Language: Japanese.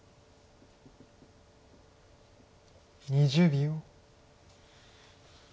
２０秒。